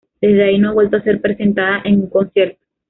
Desde ahí no ha vuelto a ser presentada en un concierto.